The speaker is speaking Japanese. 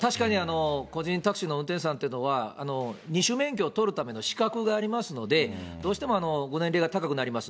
確かに個人タクシーの運転手さんっていうのは、２種免許を取るための資格がありますので、どうしてもご年齢が高くなります。